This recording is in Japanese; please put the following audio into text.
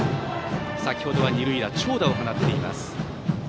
先程は二塁打長打を放っています。